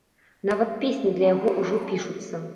Нават песні для яго ўжо пішуцца.